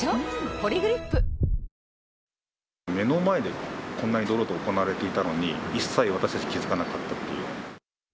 「ポリグリップ」目の前でこんなに堂々と行われていたのに、一切私たちは気付かなかったっていう。